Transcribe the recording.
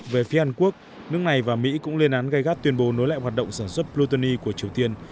về phía hàn quốc nước này và mỹ cũng lên án gai gắt tuyên bố nối lại hoạt động sản xuất plutony của triều tiên